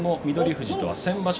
富士とは先場所